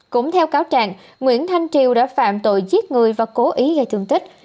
cũng theo cáo trạng nguyễn thanh triều đã phạm tội giết người và cố ý gây thương tích